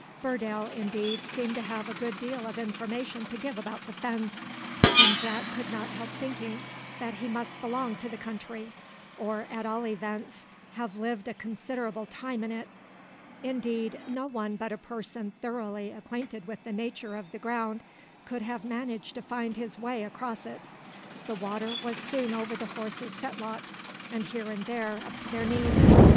'" Burdale, indeed, seemed to have a good deal of information to give about the fens; and Jack could not help thinking that he must belong to the country, or, at all events, have lived a considerable time in it. Indeed, no one but a person thoroughly acquainted with the nature of the ground could have managed to find his way across it. The water was soon over the horses' fetlocks, and here and there up to their knees.